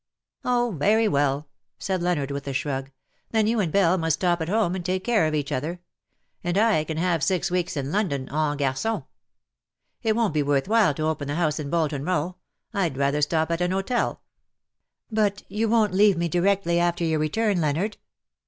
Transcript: " Oh, very well/^ said Leonard with a shrug; ^' then you and Belle must stop at home and take care of each other — and I can have six weeks in London en gar con. It won^t be worth while to open the house in Bolton Kow — I^d rather stop at an hotel.'''' *' But you won^t leave me directly after your return, Leonard?